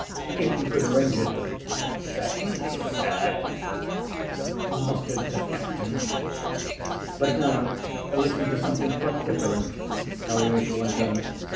"If you could arrange it—" "Certainly, sir," muttered the captain. "But now listen to something quite different!" Alyosha went on.